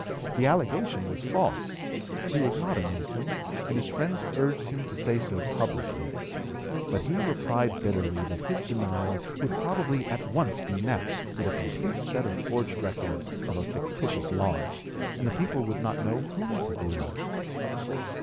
The allegation was false; he was not a Mason, and his friends urged him to say so publicly; but he replied bitterly that his denial would probably at once be met by a complete set of forged records of a fictitious lodge, and the people would not know whom to believe.